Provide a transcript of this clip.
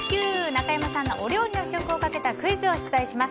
中山さんのお料理の試食をかけたクイズを出題します。